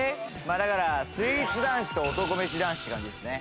だからスイーツ男子と男メシ男子って感じですね